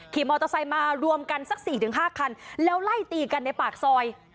ขี่มอเตอร์ไซค์มารวมกันสัก๔๕คันแล้วไล่ตีกันในปากซอย